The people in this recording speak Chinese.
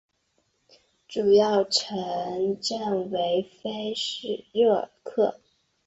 主要城镇为菲热克。